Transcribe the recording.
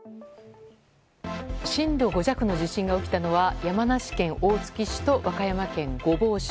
震度５弱の地震が起きたのは山梨県大月市と和歌山県御坊市。